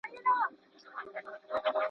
د خدماتو برخه کي پرمختګ تل تر سترګو سوی دی.